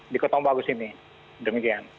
di ketamabagu sini demikian